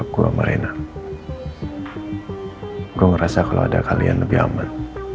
gue ngerasa kalau ada kalian lebih aman